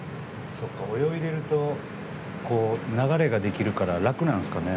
泳いでいると流れができるから楽なんですかね。